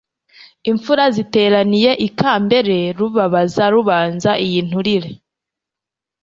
Imfura ziteraniye ikambere; Rubabaza rubanza iy' inturire,